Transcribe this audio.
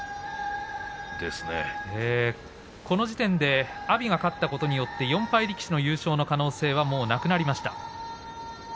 この時点で阿炎が勝ちましたので４敗力士の優勝の可能性はなくなりました。